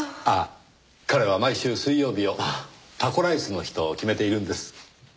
ああ彼は毎週水曜日をタコライスの日と決めているんです。